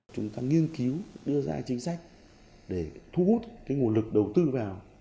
chúng ta nghiên cứu đưa ra chính sách để thu hút nguồn lực đầu tư vào